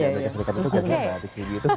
di amerika serikat itu gak ada mbak atik sibi itu